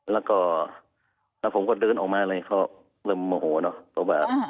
แล้วก็แล้วผมก็เดินออกมาอะไรเขาเริ่มโมโหเนอะเพราะว่า